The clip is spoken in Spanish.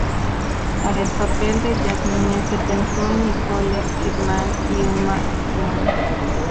Para el papel de Jasmine se pensó en Nicole Kidman y Uma Thurman.